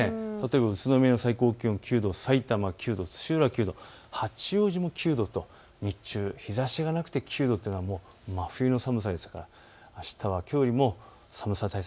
宇都宮、最高気温９度、さいたま９度、土浦９度、八王子も９度、日中、日ざしがなくて気温が低いというのは真冬の寒さですからあしたはきょうよりも寒さ対策